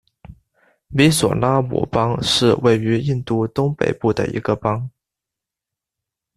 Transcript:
米佐拉姆邦是位于印度东北部的一个邦。